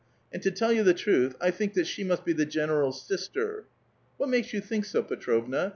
^nd, to tell you the truth, I think that she must be Ihe gen eral's sister." *'What makes you think so, Petrovna?